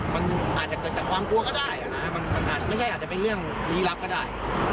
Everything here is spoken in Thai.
มันอาจจะเกิดจากความกลัวก็ได้มันอาจไม่ใช่อาจจะเป็นเรื่องลี้ลับก็ได้